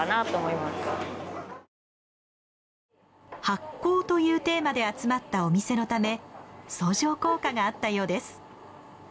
発酵というテーマで集まったお店のため相乗効果があったようです。